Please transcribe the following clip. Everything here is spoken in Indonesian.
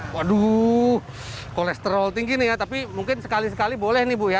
waduh kolesterol tinggi nih ya tapi mungkin sekali sekali boleh nih bu ya